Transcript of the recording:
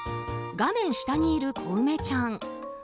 画面下にいる小梅ちゃん。